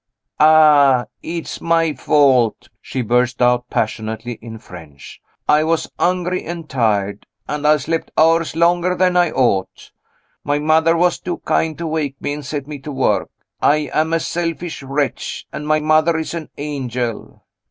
"Ah! it's my fault!" she burst out passionately in French. "I was hungry and tired, and I slept hours longer than I ought. My mother was too kind to wake me and set me to work. I am a selfish wretch and my mother is an angel!"